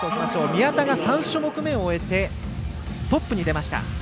宮田が３種目めを終えてトップに出ました。